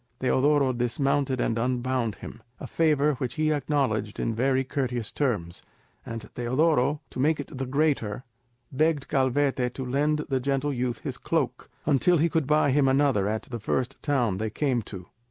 Teodoro dismounted and unbound him, a favour which he acknowledged in very courteous terms; and Teodoro, to make it the greater, begged Calvete to lend the gentle youth his cloak, until he could buy him another at the first town they came to.